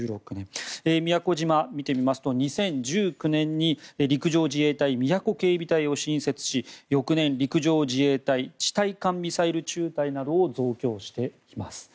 宮古島を見てみますと２０１９年に陸上自衛隊宮古警備隊を新設し翌年、陸上自衛隊地対艦ミサイル中隊などを増強しています。